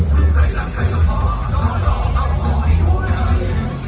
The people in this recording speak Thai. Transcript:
รู้ใครรักใครหรือพอโดนหรอกเอาขอให้ด้วย